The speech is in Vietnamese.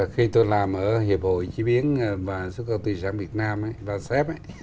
khi tôi làm ở hiệp hội chí biến và sức khỏe tùy sản việt nam